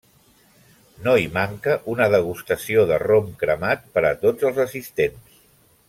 No hi manca una degustació de rom cremat per a tots els assistents.